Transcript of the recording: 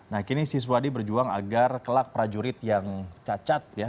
nah kini siswadi berjuang agar kelak prajurit yang cacat ya